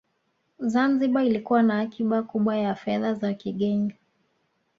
Zanzibar ilikuwa na akiba kubwa ya fedha za kigeni